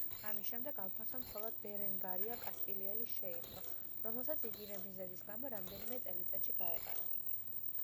ამის შემდეგ ალფონსომ ცოლად ბერენგარია კასტილიელი შეირთო, რომელსაც იგივე მიზეზის გამო რამდენიმე წელიწადში გაეყარა.